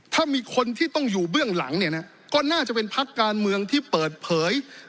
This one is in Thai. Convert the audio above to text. ถ้ามีคนที่ต้องอยู่เบื้องหลังเนี่ยนะก็น่าจะเป็นพักการเมืองที่เปิดเผย